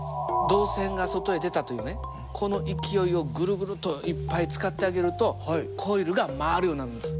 導線が外へ出たというねこの勢いをぐるぐるといっぱい使ってあげるとコイルが回るようになるんです。